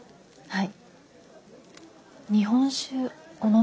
はい。